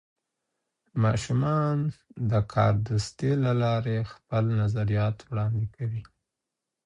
ماشومان د کاردستي له لارې خپل نظریات وړاندې کوي.